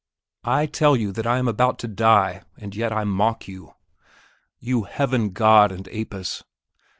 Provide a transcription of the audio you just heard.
I tell you that I am about to die, and yet I mock you! You Heaven God and Apis!